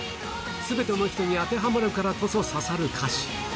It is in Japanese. すべての人に当てはまるからこそ、刺さる歌詞。